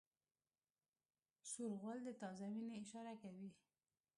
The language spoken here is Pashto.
سور غول د تازه وینې اشاره کوي.